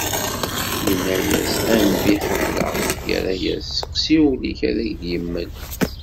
Yenna-as: "A nnbi ḥemmleɣ-k." Yerra-as: "Seqsi ul-ik ad ak-yemmel."